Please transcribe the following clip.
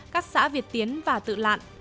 các xã việt tiến và tự lạn